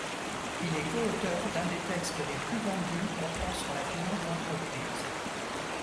Il est coauteur d'un des textes les plus vendus portant sur la finance d'entreprise.